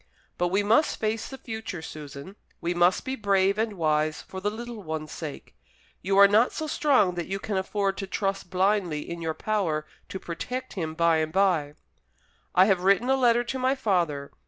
But we must face the future, Susan; we must be brave and wise, for the little one's sake. You are not so strong that you can afford to trust blindly in your power to protect him by and by. I have written a letter to my father.